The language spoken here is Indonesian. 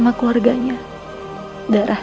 aku tidak ingin memilih apa apa